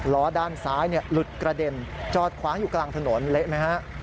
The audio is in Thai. ล้อด้านซ้ายหลุดกระเด็นจอดขวางอยู่กลางถนนเละไหมฮะ